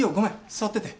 座ってて。